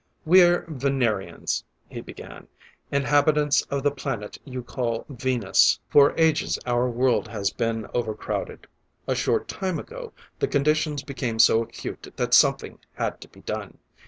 "We're Venerians," he began, "inhabitants of the planet you call Venus. For ages our world has been overcrowded. A short time ago, the conditions became so acute that something had to be done.